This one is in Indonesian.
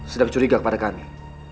sedang curiga kepada kami